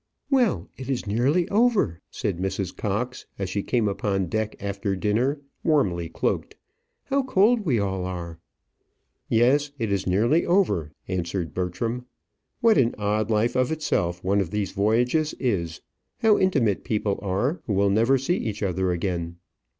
"Well, it is nearly over," said Mrs. Cox, as she came upon deck after dinner, warmly cloaked. "How cold we all are!" "Yes; it is nearly over," answered Bertram. "What an odd life of itself one of these voyages is! How intimate people are who will never see each other again!"